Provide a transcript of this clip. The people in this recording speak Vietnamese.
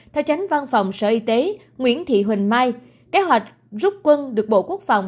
theo tránh văn phòng sở y tế nguyễn thị huỳnh mai kế hoạch rút quân được bộ quốc phòng